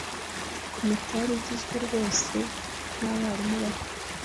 Komite yari igizwe rwose nabarimu bato.